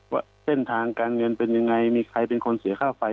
ว่าเส้นทางการเงินเป็นยังไงมีใครเป็นคนเสียค่าไฟ